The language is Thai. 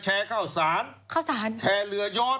แชร์ข้าวสารข้าวสารแชร์เหลือยอด